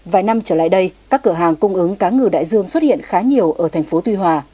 vài năm trở lại đây các cửa hàng cung ứng cá ngừ đại dương xuất hiện khá nhiều ở thành phố tuy hòa